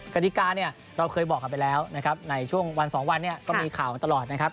กฎิการี่เราเคยบอกไปแล้วในช่วงวันสองวันก็มีข่าวมาตลอดนะครับ